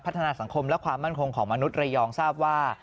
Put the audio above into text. นาสังคมและความมั่นคงของมนุษยองทราบว่า